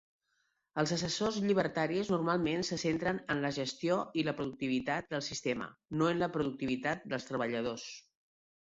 Els assessors llibertaris normalment se centren en la gestió i la productivitat del sistema, no en la productivitat dels treballadors.